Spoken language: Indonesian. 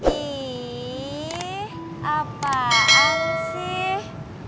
ih apaan sih